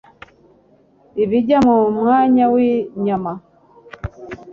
Ibijya mu Mwanya w’Inyama